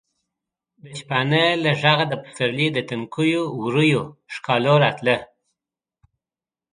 د شپانه له غږه د پسرلي د تنکیو ورویو ښکالو راتله.